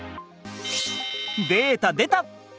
データでた！